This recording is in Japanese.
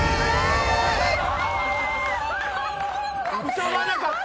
歌わなかった。